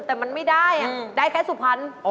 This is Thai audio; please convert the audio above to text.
แต่มันไม่ได้ได้แค่สู่พันธุ์